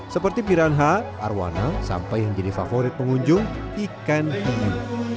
seperti piranha arowana sampai yang jadi favorit pengunjung ikan hiu